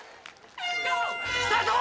スタート！